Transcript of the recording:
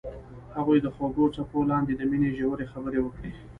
هغوی د خوږ څپو لاندې د مینې ژورې خبرې وکړې.